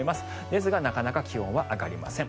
ですがなかなか気温は上がりません。